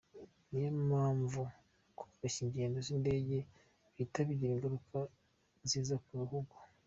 Niyo mpamvu koroshya ingendo z’indege bihita bigira ingaruka nziza ku bukungu.